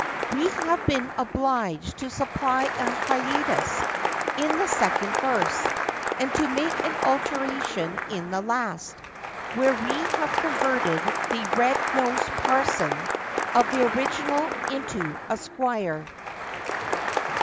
We have been obliged to supply an hiatus in the second verse, and to make an alteration in the last, where we have converted the 'red nosed parson' of the original into a squire.